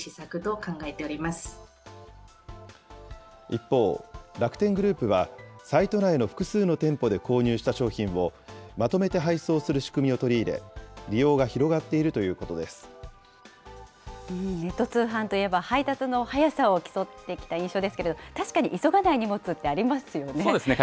一方、楽天グループは、サイト内の複数の店舗で購入した商品を、まとめて配送する仕組みを取り入れ、利用が広がっているというこネット通販といえば、配達の早さを競ってきた印象ですけれど、確かに急がない荷物ってありますよね。